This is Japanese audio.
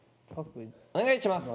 お願いします！